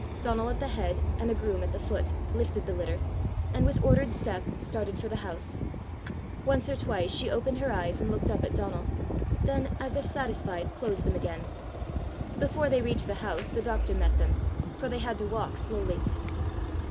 Donal at the head and a groom at the foot, lifted the litter, and with ordered step, started for the house. Once or twice she opened her eyes and looked up at Donal, then, as if satisfied, closed them again. Before they reach the house the doctor met them, for they had to walk slowly.